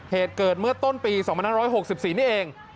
เหตุเกิดเมื่อต้นปี๒๕๖๔นี่เอง